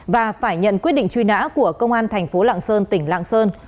và phải nhận quyết định truy nã của công an thành phố lạng sơn tỉnh lạng sơn